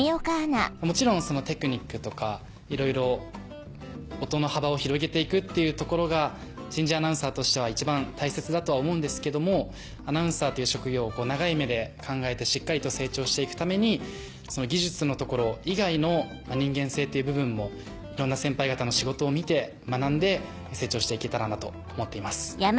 もちろんテクニックとかいろいろ音の幅を広げていくっていうところが新人アナウンサーとしては一番大切だとは思うんですけどもアナウンサーという職業を長い目で考えてしっかりと成長していくために技術のところ以外の人間性っていう部分もいろんな先輩方の仕事を見て学んで成長していけたらなと思っています。